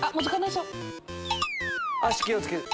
足気を付けて。